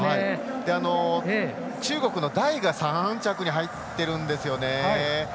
中国の代が３着に入ってるんですよね。